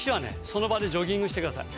その場でジョギングしてください。